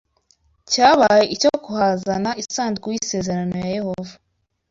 cyabaye icyo kuhazana isanduku y’isezerano ya Yehova